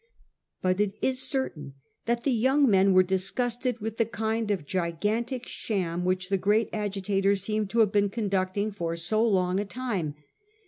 But it is certain that the young men were disgusted with the kind of gigantic sham which the great agi tator seemed to have been conducting for so long a time.